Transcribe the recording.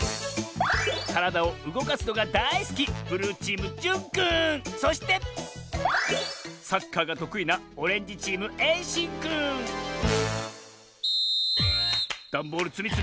からだをうごかすのがだいすきそしてサッカーがとくいなダンボールつみつみスタート！